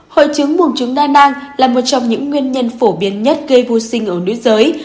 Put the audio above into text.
hội trứng bùng trứng đa nang là một trong những nguyên nhân phổ biến nhất gây vô sinh ở nước giới